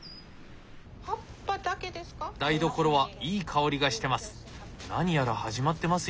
台所はいい香りがしてます。